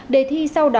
đề thi sau đó